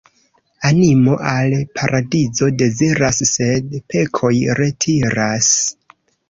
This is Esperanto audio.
Animo al paradizo deziras, sed pekoj retiras.